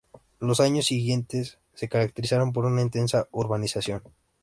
Los años siguientes se caracterizaron por una intensa urbanización.